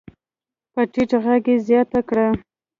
په ټيټ غږ يې زياته کړه.